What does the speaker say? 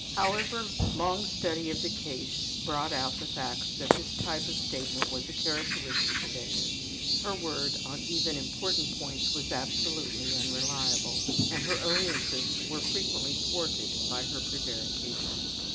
However, long study of the case brought out the fact that this type of statement was a characteristic of Edna's. Her word on even important points was absolutely unreliable and her own interests were frequently thwarted by her prevarications.